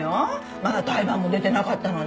まだ胎盤も出てなかったのに。